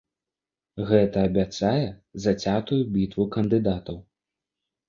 Гэта абяцае зацятую бітву кандыдатаў.